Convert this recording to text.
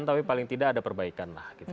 tapi paling tidak ada perbaikan lah gitu